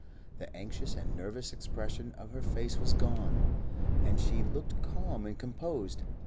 The anxious and nervous expression of her face was gone, and she looked calm and composed.